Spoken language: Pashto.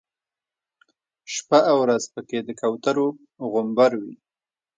شپه او ورځ په کې د کوترو غومبر وي.